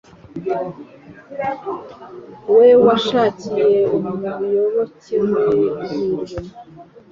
we washakiye umuyoboke we ihirwe»